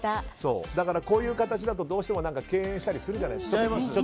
こういう形だとどうしても敬遠しちゃうじゃないですか。